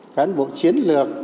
cán bộ chiến lược